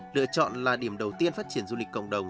lựa chọn là điểm đầu tiên phát triển du lịch cộng đồng